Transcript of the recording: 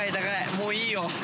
もういいよ。